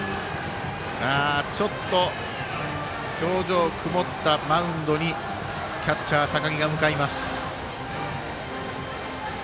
ちょっと、表情曇ったマウンドにキャッチャー、高木が向かいます。